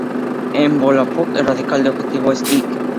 En volapük el radical de adjetivo es "-ik".